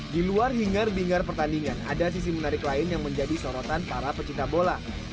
di luar hingar bingar pertandingan ada sisi menarik lain yang menjadi sorotan para pecinta bola